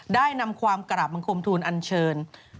นำความกราบบังคมทูลอันเชิญ